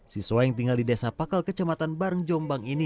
siswa yang tinggal di desa pakal kecamatan bareng jombang ini